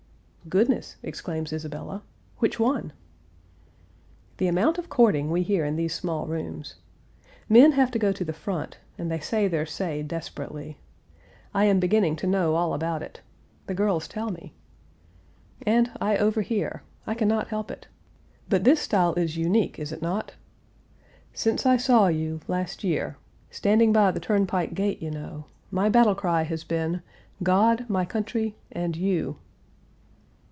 "Goodness!" exclaims Isabella. "Which one?" The amount of courting we hear in these small rooms. Men have to go to the front, and they Page 289 say their say desperately. I am beginning to know all about it. The girls tell me. And I overhear I can not help it. But this style is unique, is it not? "Since I saw you last year standing by the turnpike gate, you know my battle cry has been: 'God, my country, and you!'